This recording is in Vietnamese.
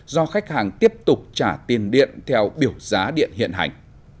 do khách hàng tiếp tục trả tiền điện theo biểu giá điện hiện hành